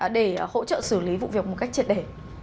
để hỗ trợ xử lý vụ việc một cách triệt để